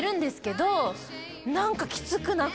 何か。